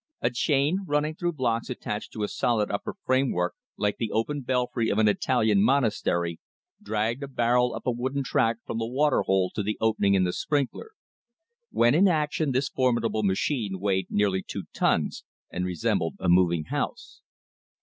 A chain, running through blocks attached to a solid upper framework, like the open belfry of an Italian monastery, dragged a barrel up a wooden track from the water hole to the opening in the sprinkler. When in action this formidable machine weighed nearly two tons and resembled a moving house.